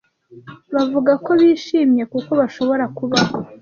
bavuga ko bishimye kuko bashobora kubaho